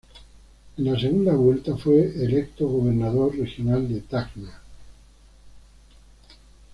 En la segunda vuelta fue electo gobernador regional de Tacna.